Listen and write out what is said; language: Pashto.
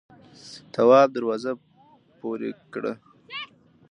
تواب دروازه پورې کړه.